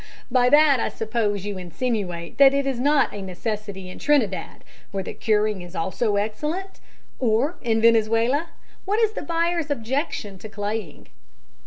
By that I suppose you insinuate that it is not a necessity in Trinidad, where the curing is also excellent. Or in Venezuela? What's the buyer's objection to claying?